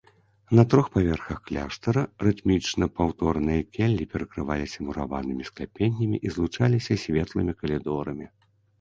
На трох паверхах кляштара рытмічна паўтораныя келлі перакрываліся мураванымі скляпеннямі і злучаліся светлымі калідорамі.